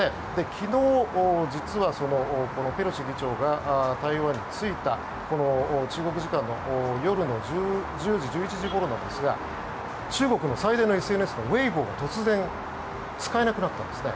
昨日、実はペロシ議長が台湾に着いた中国時間の、夜の１０時、１１時ごろなんですが中国の最大のＳＮＳのウェイボーが突然使えなくなったんですね。